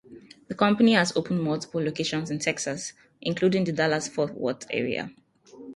The company has opened multiple locations in Texas, including the Dallas-Fort Worth area.